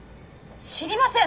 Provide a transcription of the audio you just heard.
知りません！